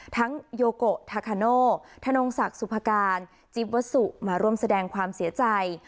โยโกทาคาโนธนงศักดิ์สุภาการจิ๊บวัสสุมาร่วมแสดงความเสียใจ